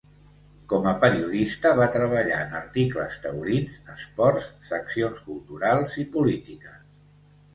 Com a periodista va treballar en articles taurins, esports, seccions culturals i polítiques.